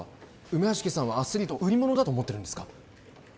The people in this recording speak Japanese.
梅屋敷さんはアスリートを売り物だと思ってるんですか？